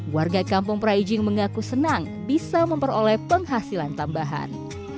warga kampung praijing mengaku senang bisa memperoleh penghasilan tambahan